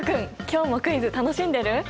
今日もクイズ楽しんでる？